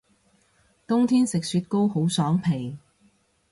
冬天食雪糕好爽皮